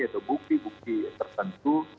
atau bukti bukti tertentu